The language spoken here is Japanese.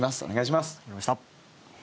お願いします。